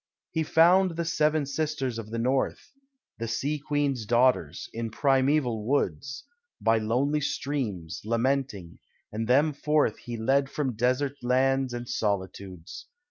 He found the seven sisters of the North, The Sea Queen's daughters, in primeval woods, By lonely streams, lamenting, and them forth He led from desert lands and solitudes.